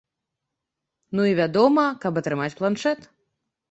Ну і, вядома, каб атрымаць планшэт.